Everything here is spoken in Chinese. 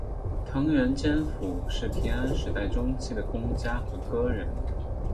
藤原兼辅是平安时代中期的公家和歌人。